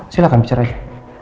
silahkan bicara aja